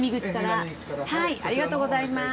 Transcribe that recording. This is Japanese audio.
ありがとうございます。